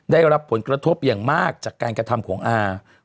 ได้รับผลกระทบอย่างมากจากการกระทำของอา